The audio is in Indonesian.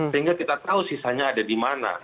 sehingga kita tahu sisanya ada di mana